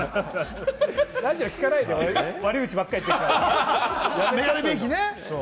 ラジオを聴かないで、悪口ばっかり言っているから。